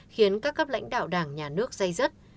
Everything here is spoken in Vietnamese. khiến các cấp lãnh đạo đảng nhà nước dây dứt